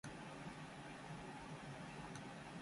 ニューメキシコ州の州都はサンタフェである